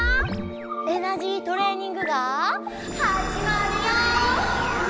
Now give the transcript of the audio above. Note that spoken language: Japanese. エナジートレーニングがはじまるよ！